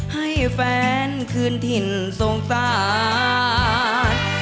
ให้แฟนคืนถิ่นสงสาร